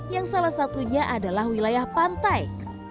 yang salah satunya adalah wilayah pantai